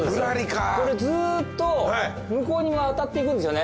これずっと向こうに渡っていくんですよね。